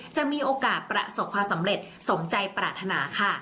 จะมีโอกาสประสบความสำเร็จสมใจปรารถนาค่ะ